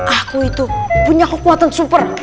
aku itu punya kekuatan super